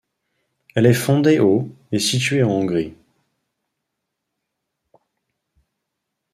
Elle est fondée au et située en Hongrie.